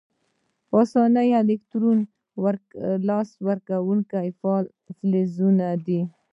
په آساني الکترونونه له لاسه ورکونکي فعال فلزونه دي.